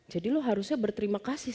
jadi lo harusnya berterima kasih